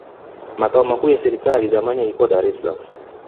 makao makuu ya serikali zamani yalikuwa dar es salaam